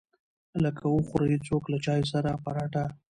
لکه وخوري څوک له چاى سره پراټه.